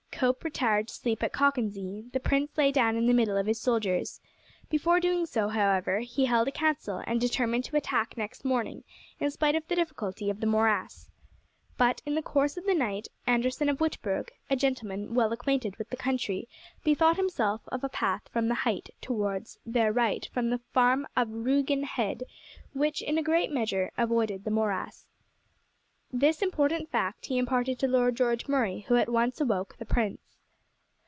Cope retired to sleep at Cockenzie, the prince lay down in the middle of his soldiers. Before doing so, however, he held a council, and determined to attack next morning in spite of the difficulty of the morass. But in the course of the night Anderson of Whitburg, a gentleman well acquainted with the country, bethought himself of a path from the height towards their right by the farm of Ruigan Head, which in a great measure avoided the morass. This important fact he imparted to Lord George Murray, who at once awoke the prince.